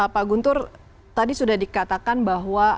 pak guntur tadi sudah dikatakan bahwa